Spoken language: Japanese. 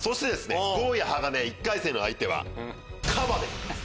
強矢鋼１回戦の相手はカバでございます。